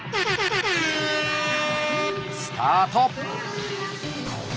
スタート！